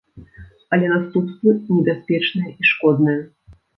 Але наступствы небяспечныя і шкодныя.